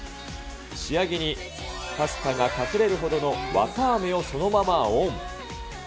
仕上げにパスタが隠れるほどのわたあめをそのままオン。